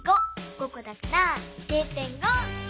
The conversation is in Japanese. ５こだから０．５！